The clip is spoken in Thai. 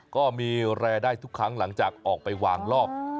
ก็มีรายได้ทุกครั้งหลังจากออกไปวางรอบ